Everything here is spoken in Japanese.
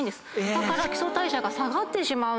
だから基礎代謝が下がってしまう。